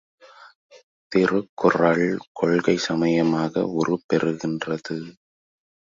திருக்குறள் கொள்கை சமயமாக உருப்பெறுகின்றது.